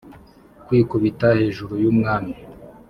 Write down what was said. kwikubita hejuru yumwami